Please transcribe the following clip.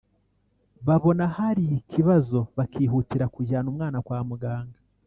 babona hari ikibazo bakihutira kujyana umwana kwa muganga